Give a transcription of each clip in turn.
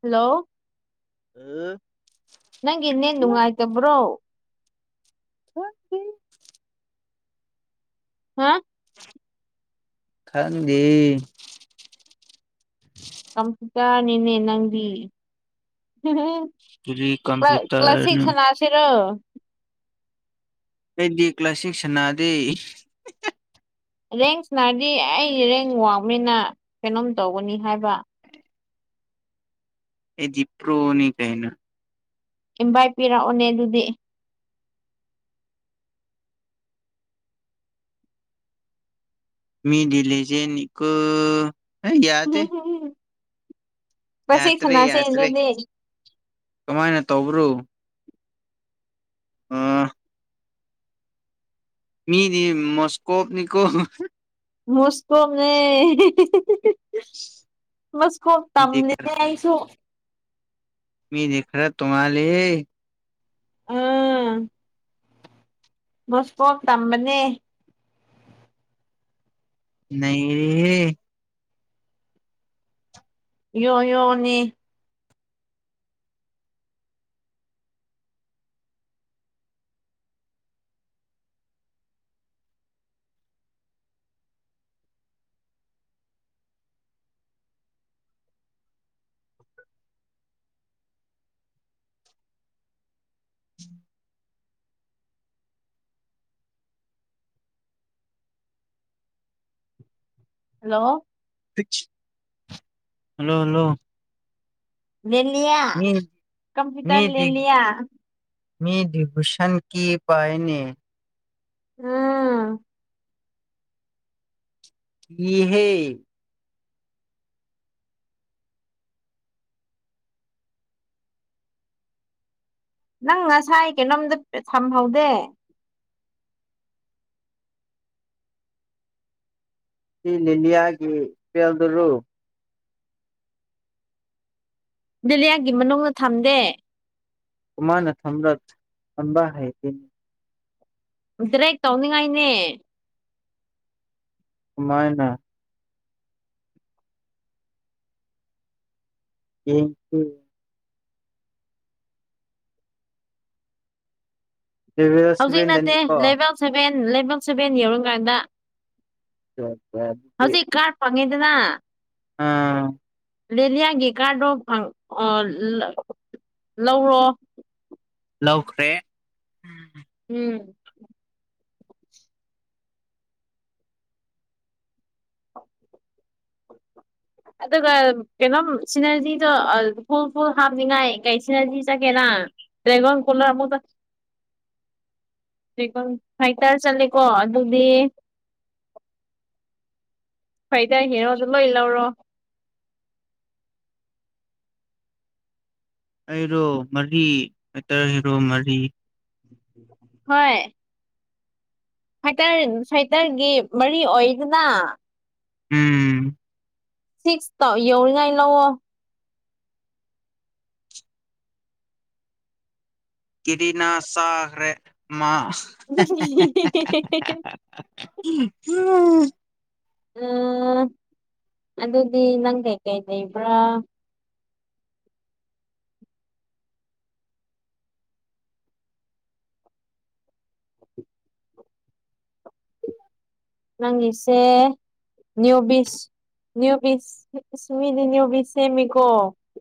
hello ꯅꯪꯒꯤꯅꯦ ꯅꯨꯡꯉꯥꯏꯇꯕ꯭ꯔꯣ ꯊꯦ ꯍꯥ ꯈꯪꯒꯤ ꯀꯝꯄꯤꯇ ꯅꯅꯦ ꯅꯪꯗꯤ ꯀꯔꯤ ꯀ꯭ꯂ꯭ꯂꯥꯁ ꯀꯝꯄ꯭ꯌꯨꯇꯔꯅꯣ ꯁꯤꯛꯁꯅꯁꯤꯔꯣ ꯑꯩꯗꯤ ꯀ꯭ꯂꯥꯁ ꯁꯤꯛꯁ ꯁꯥꯟꯅꯥꯗꯦ ꯔꯦꯡꯁꯅꯥꯔꯗꯤ ꯑꯩ ꯏꯔꯦꯡ ꯋꯥꯡꯅꯤꯅ ꯀꯩꯅꯣꯝ ꯇꯧꯒꯅꯤ ꯍꯥꯏꯕ ꯑꯦ ꯖꯤꯄ꯭ꯔꯣꯅꯤ ꯀꯥꯏꯅ ꯏꯝꯚꯏ ꯄꯤꯔꯛꯑꯣꯅꯦ ꯑꯗꯨꯗꯤ ꯃꯤꯗꯤꯂꯁꯦꯅꯤꯀ ꯎꯝꯝ ꯌꯥꯗ꯭ꯔꯦ ꯌꯥꯗ꯭ꯔꯦ ꯀꯃꯥꯏꯅ ꯇꯧꯕ꯭ꯔꯣ ꯑꯥ ꯃꯤꯅꯤ ꯃꯣꯁꯀꯣꯞꯅꯤꯀꯣ ꯃꯣꯁꯀꯣꯝꯅꯦ ꯃꯁꯀꯣ ꯃꯤꯗꯤ ꯇꯝꯃꯦꯁꯨ ꯃꯤ ꯈꯔ ꯇꯣꯝ ꯂꯩ ꯑꯥ ꯃꯣꯁꯄꯣꯛ ꯇꯝꯕꯅꯦ ꯅꯩꯔꯦꯍꯦ ꯌꯣ ꯌꯣꯅꯤ ꯍꯜꯂꯣ ꯍꯜꯂꯣ ꯍꯜꯂꯣ ꯂꯂꯤꯌꯥ ꯃꯤ ꯀꯝꯄꯌꯨꯇꯔ ꯂꯂꯤꯌꯥ ꯃꯤ ꯗꯤꯚꯁꯟ ꯀ ꯄꯥꯏꯅꯦ ꯑꯝ ꯏꯍꯦ ꯅꯪ ꯉꯁꯥꯏ ꯀꯩꯅꯣꯝꯗ ꯊꯝꯍꯧꯗꯦ ꯁꯤ ꯅꯅꯤꯌꯥꯒꯤ ꯀꯦꯜꯗꯣ ꯗꯂꯤꯌꯥꯌꯥꯒꯤ ꯃꯅꯨꯡꯗ ꯊꯝꯗꯦ ꯀꯃ ꯅ ꯊꯝꯔꯠ ꯑꯟꯕ ꯍꯥꯏꯅꯤ ꯁꯤꯔꯦꯛ ꯇꯧꯅꯤꯡꯉꯥꯏꯅꯦ ꯀꯃꯥꯏꯅ ꯌꯦꯁꯨ ꯂꯦꯚꯦꯜ ꯍꯧꯖꯤꯛ ꯅꯠꯇꯦ ꯁꯚꯦꯟꯗꯅꯤꯀꯣ ꯂꯩꯕꯥꯛ ꯁꯚꯦꯟ ꯂꯩꯕꯥꯛ ꯁꯚꯦꯟ ꯌꯧꯔꯝꯀꯥꯟꯗ ꯑ ꯍꯧꯖꯤꯛ ꯀꯥꯔ ꯐꯪꯉꯤꯗꯅ ꯑꯥ ꯂꯤꯦꯂꯤꯌꯥꯂꯤꯌꯥꯒꯤ ꯀꯥꯔꯗꯣ ꯂꯧꯔꯣ ꯂꯧꯈ꯭ꯔꯦ ꯎꯝ ꯑꯗꯨꯒ ꯀꯩꯅꯣꯝ ꯁꯤꯅꯖꯤꯗꯣ ꯐꯨꯜ ꯐꯨꯜ ꯍꯥꯞꯅꯤꯡꯉꯥꯏ ꯀꯩ ꯁꯤꯅꯖꯤ ꯆꯠꯀꯦꯅ ꯇꯦꯒꯣꯟ ꯀꯅ ꯑꯃꯗ [unintelligible] ꯍꯥꯏꯥꯏꯇꯥꯔ ꯆꯠꯂꯦꯀꯣ ꯑꯗꯨꯗꯤ [unintelligible] ꯐꯩ ꯇ ꯍꯔꯣꯗ ꯂꯣꯏ ꯂꯧꯔꯣ ꯑꯩꯔꯣ ꯃꯔꯤꯇꯔ ꯍꯔꯣ ꯃꯔꯤ ꯍꯣꯏ ꯁꯇꯔ ꯁꯥꯏꯇꯔꯒꯤ ꯃꯔꯤ ꯑꯣꯏꯗꯅ ꯎꯝ ꯁꯤꯛꯁꯇꯧ ꯌꯧꯔꯤꯉꯥꯏ ꯂꯥꯛꯑꯣꯣ ꯀꯔꯤꯅꯥ ꯁꯔꯔ ꯃ ꯀꯦ ꯀ ꯀ ꯎꯝ ꯑ ꯑꯗꯨꯗꯤ ꯅꯪ ꯀꯩꯀꯩ ꯂꯩꯕ꯭ꯔꯥ ꯅꯪꯏꯁꯦ ꯅ꯭ꯌꯨꯕꯤꯁ ꯅ꯭ꯌꯨꯁꯃꯤꯗꯤ ꯅ꯭ꯌꯨꯕꯤꯁꯦꯃꯤ ꯀꯣ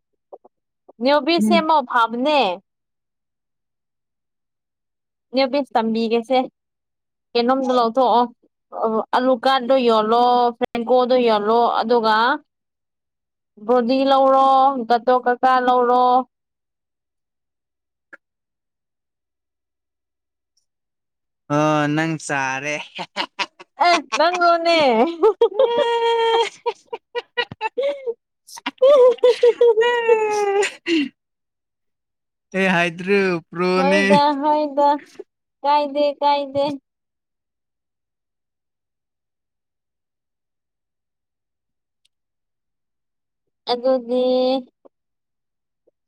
[unintelligible] ꯅꯦꯕꯤꯁꯃ ꯐꯝꯅꯦ ꯅꯄꯤꯁ ꯇꯝꯕꯤꯒꯦꯁꯦ ꯀꯩꯅꯣꯝꯗ ꯂꯧꯊꯣꯛꯑꯣ ꯑꯂꯨꯀꯥꯔꯗꯣ ꯌꯣꯜꯂꯣ ꯐ꯭ꯔꯦꯡꯀꯣꯗꯣ ꯌꯣꯜꯂꯣ ꯑꯗꯨꯒ ꯕꯣꯗꯤ ꯂꯧꯔꯣ ꯇꯣ ꯀꯀꯥ ꯂꯧꯔꯣ ꯑꯣ ꯅꯪ ꯆꯥꯔꯦ ꯑꯦ ꯅꯪ ꯔꯣꯅꯦ [unintelligible] [unintelligible] ꯍꯥꯏꯗ꯭ꯔ ꯍꯣꯏꯗ ꯍꯣꯏꯗ ꯀꯥꯏꯗꯦ ꯀꯥꯏꯗꯦ ꯑꯗꯨꯗꯤ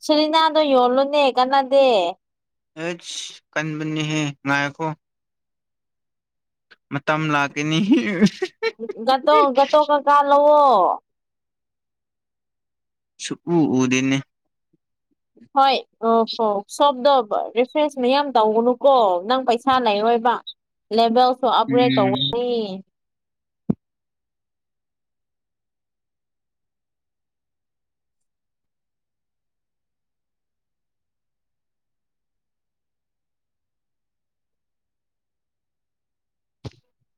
ꯁꯔꯤꯅꯥꯗꯣ ꯌꯣꯜꯂꯨꯅꯦ ꯀꯅꯥꯗꯦ ꯑꯦ ꯀꯟꯕꯅꯤ ꯍꯦ ꯉꯀꯣ ꯃꯇꯝ ꯂꯥꯛꯀꯅꯤ ꯑꯣ ꯁꯨꯛ ꯎ ꯎꯗꯟꯅꯦ ꯍꯣꯏ ꯐ ꯁꯗꯐ꯭ꯔꯦꯁ ꯌꯥꯝ ꯇꯧꯅꯨꯀꯣ ꯅꯪ ꯄꯩꯁꯥ ꯂꯩꯔꯣꯏꯕ ꯂꯦꯚꯦꯜꯁꯨ ꯑꯞꯒ꯭ꯔꯦꯗ ꯎꯝ ꯇꯧꯒꯅꯤ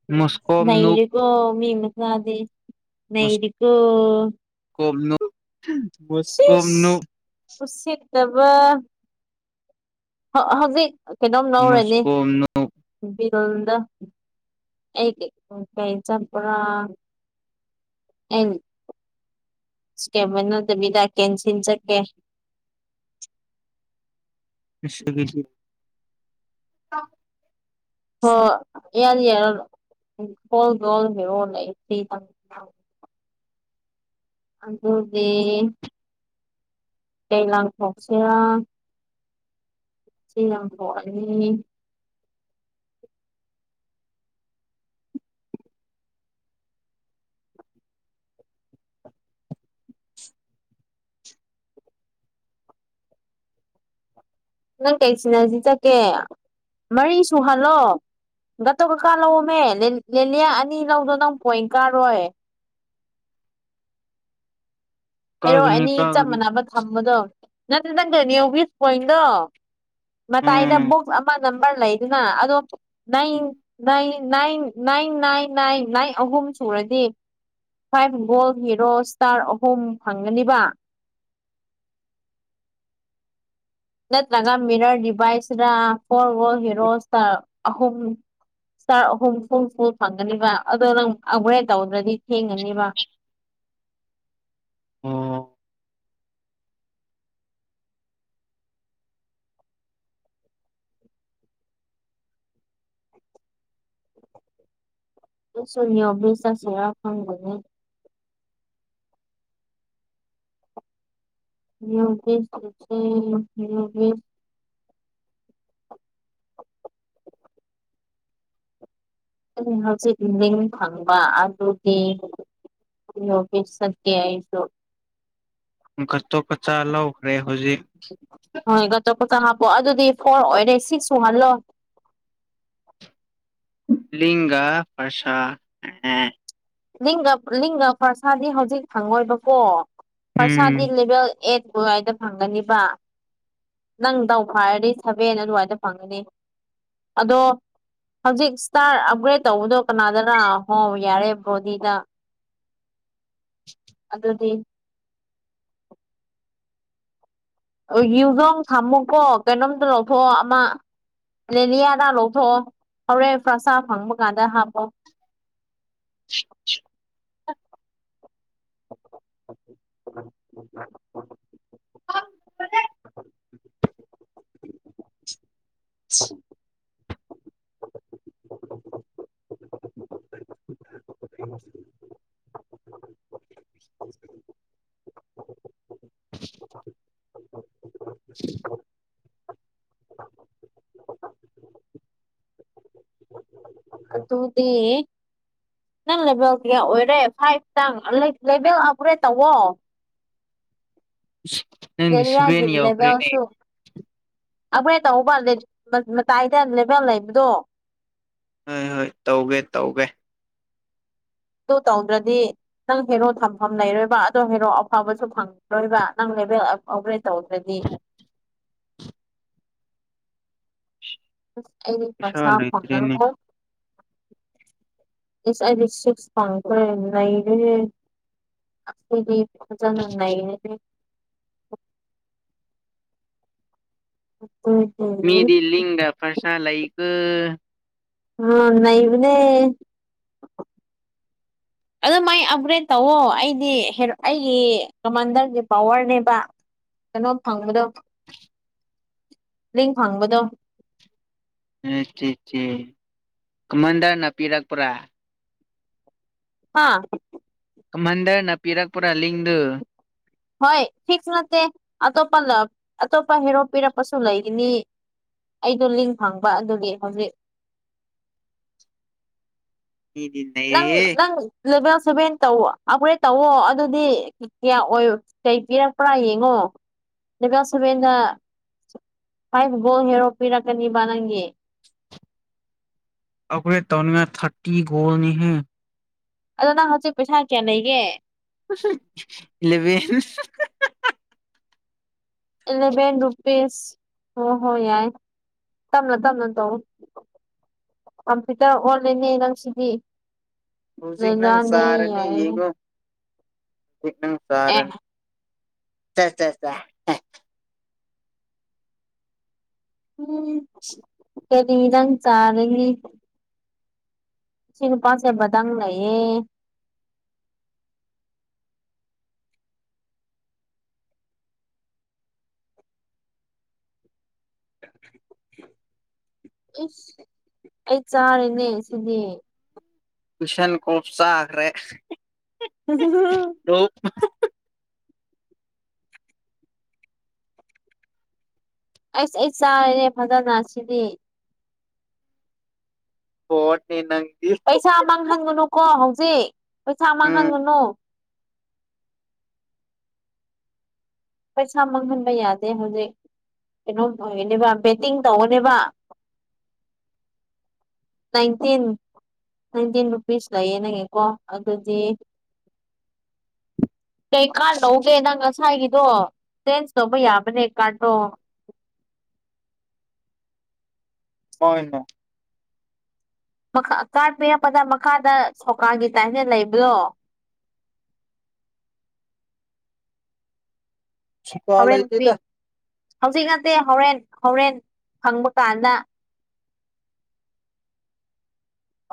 ꯃꯣꯁꯀꯣꯝꯅꯨꯞ ꯅꯩꯔꯀꯣ ꯃꯤꯃꯁꯗꯤ ꯅꯩꯔꯀꯣ ꯃꯣꯁꯀꯣꯅ ꯎꯁꯤꯠꯇꯕ ꯍꯧꯖꯤꯛ ꯀꯩꯅꯣꯝ ꯂꯧꯔꯅꯤ ꯃꯣꯁꯀꯣꯝꯅꯨꯞ [unintelligible] [unintelligible] ꯁꯦ ꯃꯟꯅꯗ ꯕꯤꯗꯥ ꯀꯦꯟꯁꯤꯜ ꯆꯀꯦ [unintelligible] ꯁꯤꯗꯒꯤꯁꯨ [unintelligible] ꯍ‌ꯣ ꯌꯥꯅꯤ ꯌꯔꯣꯏ [unintelligible] ꯑꯗꯨꯗꯤ ꯀꯩ ꯂꯪꯊ‌ꯣꯛꯁꯤꯔ ꯁꯤ ꯂꯪꯊ‌ꯣꯛꯑꯅꯤ ꯅꯪ ꯀꯩ ꯁꯤꯅꯁꯤ ꯆꯠꯀꯦ ꯃꯔꯤ ꯁꯨꯍꯜꯂꯣ ꯇꯣ ꯀꯀꯥ ꯂꯧꯔꯝꯃꯦ ꯂꯤꯌꯥꯌꯥ ꯑꯅꯤ ꯂꯧꯗꯣ ꯅꯪ ꯄꯣꯏꯟ ꯀꯥꯔꯣꯏ ꯍ‌ꯦꯔꯣ ꯀꯛꯒꯅꯤ ꯑꯦꯅꯤ ꯆꯞ ꯀꯛꯒꯅꯤ ꯃꯥꯟꯅꯕ ꯊꯝꯕꯗꯣ ꯅꯪ ꯅꯪ ꯀꯅꯦ ꯚꯤꯁ ꯄꯣꯏꯟꯗꯣ ꯃꯇꯥꯏꯗ ꯎꯝ ꯚ‌ꯣꯛꯁ ꯅꯝꯕꯔ ꯂꯩꯗꯅ ꯑꯗꯣ ꯅꯥꯏ ꯏ ꯅꯥꯏ ꯅꯥꯏꯟ ꯅꯥꯏꯟ ꯅꯥꯏꯟ ꯅꯥꯏꯟ ꯑꯍꯨꯝ ꯑꯍꯨꯝ ꯁꯨꯔꯗꯤ ꯐꯥꯏꯚ ꯒꯣꯜ ꯍꯤꯔꯣ ꯏꯁꯇꯥꯔ ꯑꯍꯨꯝ ꯐꯪꯒꯅꯤꯕ ꯅꯠꯇ꯭ꯔꯒ ꯃꯤꯔꯔ ꯒꯤꯄꯥꯏꯁꯤꯔ ꯐꯣꯔ ꯋꯥꯔꯜ ꯍꯦꯔꯣꯁꯇ ꯑꯍꯨꯝ ꯏꯁꯇꯔ ꯑꯍꯨꯝ ꯐꯨꯜ ꯐꯨꯜ ꯐꯪꯒꯅꯤꯕ ꯑꯗꯣ ꯅꯪ ꯑꯞꯒ꯭ꯔꯦꯗ ꯇꯧꯗ꯭ꯔꯗꯤ ꯊꯦꯡꯒꯅꯤꯕ ꯑꯣ ꯑꯩꯁꯨ ꯅꯤꯌ‌ꯣꯕꯤꯁ ꯆꯠꯁꯤꯔꯥ ꯈꯪꯗ‌ꯦꯅ‌ꯦ [unintelligible] ꯑ ꯍꯧꯖꯤꯛ ꯂꯤꯡ ꯐꯪꯕ ꯑꯗꯨꯒꯏ ꯅꯤꯌ‌ꯣꯕꯤꯁ ꯆꯠꯀ‌ꯦ ꯑꯩꯁꯨ ꯒꯠꯇꯣ ꯒꯆꯥ ꯂꯧꯈ꯭ꯔꯦ ꯍꯧꯖꯤꯛ ꯍꯥꯄꯣ ꯑꯗꯨꯗꯤ ꯐꯣꯔ ꯑꯣꯏꯔꯦ ꯁꯤꯛꯁ ꯁꯨꯍꯜꯂꯣ ꯂꯤꯡꯒꯥ ꯐ꯭ꯔꯁꯥ ꯂꯤꯡꯒ ꯂꯤꯡꯒ ꯐ꯭ꯔꯁꯥꯗꯤ ꯍꯧꯖꯤꯛ ꯐꯪꯉꯣꯏꯕꯀꯣ ꯐ꯭ꯔꯁꯥꯗꯤ ꯎꯝ ꯂꯦꯚꯦꯜ ꯑ‌ꯦꯠ ꯑꯗꯨꯋꯥꯏꯗ ꯐꯪꯒꯅꯤꯕ ꯅꯪ ꯗꯧ ꯐꯥꯔꯗꯤ ꯁꯕꯦꯟ ꯑꯗꯨꯋꯥꯏꯗ ꯐꯪꯒꯅꯤ ꯑꯗꯣ ꯍꯧꯖꯤꯛ ꯏꯁꯇꯥꯔ ꯑꯞꯒ꯭ꯔꯦꯗ ꯇꯧꯕꯗꯣ ꯀꯅꯥꯗꯅ ꯍꯣ ꯌꯥꯔꯦ ꯕ‍꯭ꯔ‌ꯣꯗꯤꯗ ꯑꯗꯨꯗꯤ ꯌꯨꯖꯣꯡ ꯊꯝꯃꯨꯀꯣ ꯀꯩꯅꯣꯝꯇ ꯂꯧꯊꯣꯛꯑꯣ ꯑꯃ ꯂꯦꯂꯤꯌꯥꯗ ꯂꯧꯊꯣꯛꯑꯣ ꯍꯣꯔꯦꯟ ꯐ‍꯭ꯔꯁꯥ ꯐꯪꯕ ꯀꯥꯟꯗ ꯍꯥꯞꯄꯣ [unintelligible] [unintelligible] [inaudible] [inaudible] [inaudible] ꯑꯗꯨꯗꯤ ꯅꯪ ꯂꯦꯚꯦꯜ ꯀꯌꯥ ꯑꯣꯏꯔꯦ ꯐꯥꯏꯚꯇꯪ ꯂꯦꯚꯦꯜ ꯑꯞꯒ꯭ꯔꯦꯗ ꯇꯧꯋꯣ ꯅꯪꯗꯤ ꯂ‌ꯦꯂꯤꯌꯥꯒꯤ ꯁꯚꯦꯟ ꯌꯧꯈ꯭ꯔꯦꯅꯦ ꯂ‌ꯦꯕ‌ꯦꯜꯁꯨ ꯑꯩꯈꯣꯏ ꯇꯧꯕ ꯃꯇꯥꯏꯗ ꯂꯦꯕꯦꯜ ꯂꯩꯕꯗꯣ ꯍꯣꯏ ꯍꯣꯏ ꯇꯧꯒꯦ ꯇꯧꯒꯦ ꯑꯗꯨ ꯇꯧꯗ꯭ꯔꯗꯤ ꯅꯪ ꯍꯦꯔꯣ ꯊꯝꯐꯝ ꯂꯩꯔꯣꯏꯕ ꯑꯗꯣ ꯍꯦꯔꯣ ꯑꯐꯕꯁꯨ ꯐꯪꯔꯣꯏꯕ ꯅꯪ ꯂ‌ꯦꯕ‌ꯦꯜ ꯑꯕ ꯑꯕꯒ꯭ꯔꯦꯗ ꯇꯧꯗ꯭ꯔꯗꯤ ꯑꯩꯗꯤ ꯄꯩꯁꯥ ꯐ‍꯭ꯔꯁꯥ ꯂꯩꯇ꯭ꯔꯦꯅꯦ ꯐꯪꯉꯥꯔ‌ꯣꯏ [inaudible] ꯏꯁ ꯑꯩꯗꯤ ꯁꯤꯛꯁ ꯐꯪꯈ꯭ꯔ‌ꯦ ꯅꯩꯔ‌ꯦ ꯑꯈ‌ꯣꯏꯗꯤ ꯐꯖꯟꯅ ꯅꯩꯔ‌ꯦ [inaudible] ꯃꯤꯗꯤ ꯂꯤꯡꯒꯥ ꯐ꯭ꯔꯁ ꯂꯩꯩꯀ‌ꯣ ꯑ ꯅꯩꯕꯅꯦ [unintelligible] ꯑꯗꯨꯃꯥꯏ ꯑꯞꯒ꯭ꯔꯦꯗ ꯇꯧꯋꯣ ꯑꯩꯗꯤ ꯑꯩꯒꯤ ꯀꯃꯥꯟꯗꯔꯒꯤ ꯄꯋꯥꯔꯅꯦꯕ ꯀꯩꯅꯣ ꯐꯪꯕꯗ ꯂꯦꯡ ꯐꯪꯕꯗꯣ ꯀꯃꯟꯗꯔꯅ ꯄꯤꯔꯛꯄꯔꯥ ꯍꯥꯥ ꯀꯍꯟꯗꯔꯅ ꯄꯤꯔꯛꯄ꯭ꯔꯥ ꯂꯤꯡꯗꯨ ꯍꯣꯏ ꯐꯤꯛꯁ ꯅꯠꯇꯦ ꯑꯇꯣꯞꯄ ꯑꯇꯣꯞꯄ ꯍꯦꯔꯣꯞ ꯄꯤꯔꯛꯄꯁꯨ ꯂꯩꯒꯅꯤ ꯑꯩꯗꯣ ꯂꯤꯡ ꯐꯪꯕ ꯑꯗꯨꯒꯤ ꯍꯧꯖꯤꯛ [unintelligible] ꯅꯪ ꯅꯩꯔꯦꯍꯦ ꯅꯪ ꯂꯦꯕꯦꯜ ꯁꯨꯕꯦꯟ ꯇꯧ ꯑꯩꯈꯣꯔꯦ ꯇꯧꯋ ꯑꯗꯨꯗꯤ ꯀꯌꯥ ꯑꯣꯏ ꯀꯩ ꯄꯤꯔꯛꯄ꯭ꯔꯥ ꯌꯦꯡꯉꯣ ꯀꯁꯨꯕꯅ ꯐ ꯕꯣꯜ ꯍꯦꯔꯣ ꯄꯤꯔꯛꯀꯅꯤꯕ ꯅꯪꯒꯤ ꯑꯒꯔ ꯇꯧꯅꯌꯥ ꯊꯔꯇꯤ ꯣꯜꯅꯤꯍ ꯑꯗꯣ ꯅꯪ ꯍꯧꯖꯤꯛ ꯄꯩꯁꯥ ꯀꯌꯥ ꯂꯩꯒꯦ ꯂꯂꯕꯦꯟ ꯏꯂꯦꯚꯦꯟ ꯔꯨꯄꯤꯤꯁ ꯍꯍꯣꯏꯏ ꯇꯝꯅꯣ ꯇꯝꯅꯣ ꯇꯧꯣ ꯀꯝꯄ꯭ꯌꯨꯇꯔ ꯑꯣꯟꯂꯅꯤ ꯅꯪ ꯁꯤꯗꯤ ꯍꯧꯖꯤꯛ ꯅꯪ ꯂꯩꯗꯥꯅꯤ ꯆꯥꯔꯅꯤ ꯌꯥꯔ ꯑꯦꯝ ꯁꯔꯅꯤ ꯆ ꯆ ꯆ ꯎꯝ ꯀꯔꯤꯃꯤꯔ ꯆꯥꯔꯦꯦ ꯏꯆ ꯅꯨꯄꯥꯁꯦꯕꯗꯪ ꯂꯩꯌꯦ [unintelligible] ꯏꯁ ꯑꯩ ꯆꯥꯔꯤꯅꯦ ꯁꯤꯗꯤ ꯇꯨꯁꯟ ꯀꯣꯞꯁ ꯍꯥꯏꯈ꯭ꯔꯦ ꯎ ꯑꯩꯁ ꯑꯩ ꯆꯥꯔꯅꯦꯦ ꯐꯖꯅ ꯁꯤꯗꯤ ꯍꯣꯠꯅꯤ ꯅꯪ ꯄꯩꯁꯥ ꯃꯥꯡꯍꯟꯒꯅꯨꯀꯣ ꯍꯧꯖꯤꯛ ꯄꯩꯁꯥ ꯎꯝ ꯃꯥꯡꯍꯟꯒꯅꯨ ꯄꯩꯁꯥ ꯃꯥꯡꯍꯟꯕ ꯌꯥꯗꯦ ꯍꯧꯖꯤꯛ ꯀꯩꯅꯣꯝ ꯑꯣꯏꯅꯦꯕ ꯕꯦꯠꯇꯤꯡ ꯇꯧꯧꯕꯅꯦꯕ ꯅꯥꯏꯟꯇꯤꯟ ꯅꯥꯏꯟꯇꯤꯟ ꯔꯨꯄꯤꯁ ꯂꯩꯌꯦꯦ ꯅꯪꯉꯀꯣ ꯑꯗꯨꯗꯤ ꯀꯩꯀꯥꯔ ꯂꯧꯒꯦ ꯅꯪ ꯉꯁꯥꯏꯒꯤꯗꯣ ꯆꯦꯟꯖ ꯇꯧꯕ ꯌꯥꯕꯅꯦ ꯀꯥꯔꯠꯇꯣ [unintelligible] ꯍꯣꯏꯅ ꯥ ꯀꯥꯔꯠ ꯄꯤꯔꯛꯄꯗ ꯃꯈꯥꯗ ꯁꯧꯀꯥꯒꯤ ꯇꯥꯏꯞꯅ ꯂꯩꯕ꯭ꯔꯣ [unintelligible] ꯁꯨꯀꯥ ꯍꯣꯔꯦꯟ ꯄꯤ ꯂꯩꯇꯦꯗ ꯍꯧꯖꯤꯛ ꯅꯠꯇꯦ ꯍꯣꯔꯦꯟ ꯍꯣꯔꯦꯟ ꯐꯪꯕ ꯀꯥꯟꯗ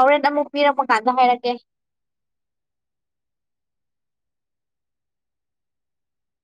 ꯍꯣꯔꯦꯟ ꯑꯃꯨꯛ ꯄꯤꯔꯛꯄ ꯀꯥꯟꯗ ꯍꯥꯏꯔꯀꯦ